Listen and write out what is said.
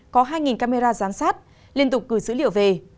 có hai camera giám sát liên tục gửi dữ liệu về